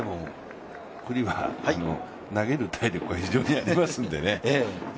九里は投げる体力は非常にありますんでね。